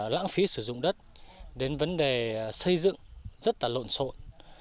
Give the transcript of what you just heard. lãng phí sử dụng đất đến vấn đề xây dựng rất là lộn xộn